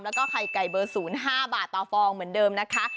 แล้วก็ไข่ไก่เบอร์๐๕บาทต่อฟองเหมือนเดิมนะคะ